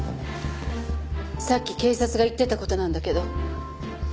さっき警察が言ってた事なんだけど。